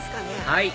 はい！